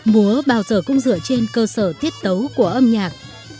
múa bao giờ cũng dựa trên cơ sở tiết tấu của âm nhạc